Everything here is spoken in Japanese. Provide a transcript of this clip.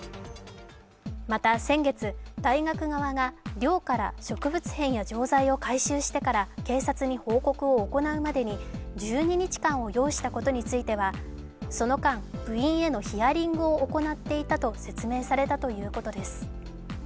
また、先月、大学側が寮から植物片や錠剤を回収してから警察に報告を行うまでに１２日間を要したことについてはその間、部員へのヒアリングを行っていたと説明されたということです。